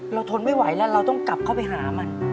ทนไม่ไหวแล้วเราต้องกลับเข้าไปหามัน